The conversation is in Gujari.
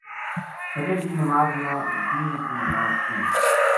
فجر کی نماز نا دینہ کی نماز کہیں۔